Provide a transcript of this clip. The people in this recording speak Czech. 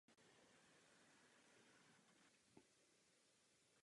Howard Deutsch se narodil v New Yorku.